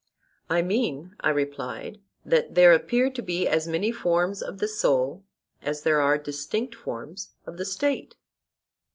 I mean, I replied, that there appear to be as many forms of the soul as there are distinct forms of the State.